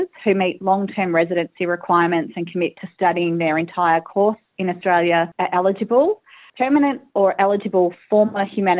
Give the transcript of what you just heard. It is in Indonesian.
setidaknya beberapa kursus mereka di australia